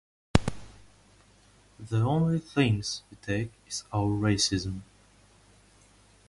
The only things we take is our racism.